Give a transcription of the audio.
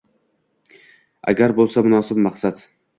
Agar bo'lsa munosib maqsad.